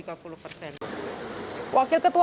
wakil ketua komunikasi